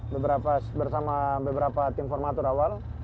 beberapa bersama beberapa tim formatur awal